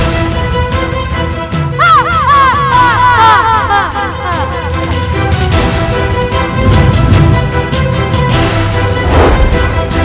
kinda keren pasokmu